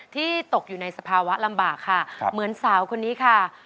ที่ตกอยู่ในสภาวะลำบากค่ะเหมือนสาวคนนี้ค่ะ